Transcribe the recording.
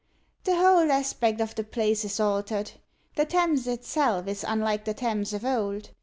"The whole aspect of the place is altered. The Thames itself is unlike the Thames of old.